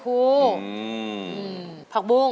จริง